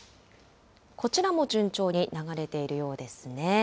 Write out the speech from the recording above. こちらも順調に流れているようですね。